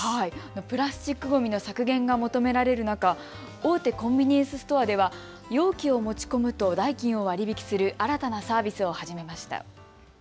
プラスチックごみの削減が求められる中、大手コンビニエンスストアでは容器を持ち込むと代金を割り引きする新たなサービスを始めました。